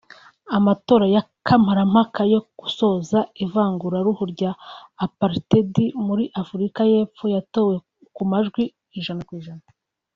Amatora ya kamarampaka yo gusoza ivanguraruhu rya Apartheid muri Afurika y’epfo yatowe ku majwi %